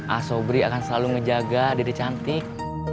asobri akan selalu menjaga diri cantik